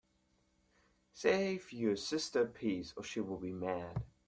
Save you sister a piece, or she will be mad.